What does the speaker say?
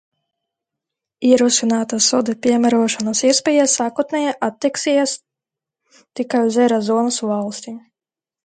Ierosinātās soda piemērošanas iespējas sākotnēji attieksies tikai uz euro zonas valstīm.